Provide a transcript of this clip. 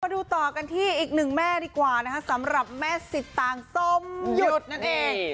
ดูต่อกันที่อีกหนึ่งแม่ดีกว่านะคะสำหรับแม่สิตางส้มหยุดนั่นเอง